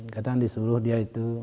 kadang disuruh dia itu